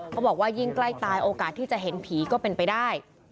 บอกว่ายิ่งใกล้ตายโอกาสที่จะเห็นผีก็เป็นไปได้